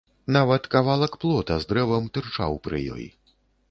Нават кавалак плота з дрэвам тырчаў пры ёй.